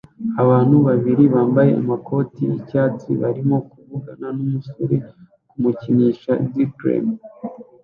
Abantu babiri bambaye amakoti yicyatsi barimo kuvugana numusore kumukinisha dulcimer